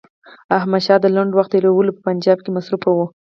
احمدشاه د لنډ وخت تېرولو په پنجاب کې مصروف وو.